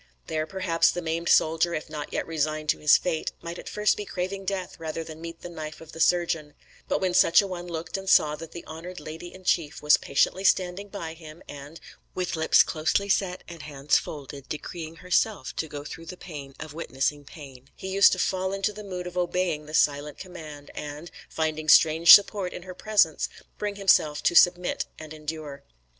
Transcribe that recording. There perhaps the maimed soldier, if not yet resigned to his fate, might at first be craving death rather than meet the knife of the surgeon; but when such a one looked and saw that the honoured lady in chief was patiently standing by him and, with lips closely set and hands folded, decreeing herself to go through the pain of witnessing pain, he used to fall into the mood of obeying the silent command, and, finding strange support in her presence, bring himself to submit and endure."